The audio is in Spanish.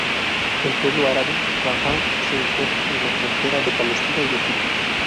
El pueblo árabe de Rafah se encuentra en la frontera de Palestina y Egipto.